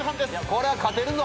これは勝てるぞ。